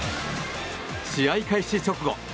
試合開始直後